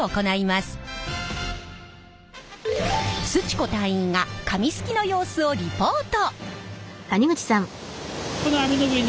すち子隊員が紙すきの様子をリポート！